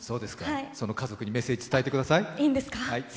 その家族にメッセージを伝えてください。